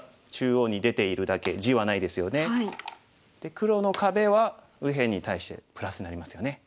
黒の壁は右辺に対してプラスになりますよね。